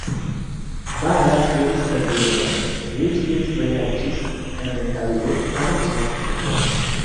Balla studis en Vieno, li studvojaĝis en Italio, Parizo, Munkeno.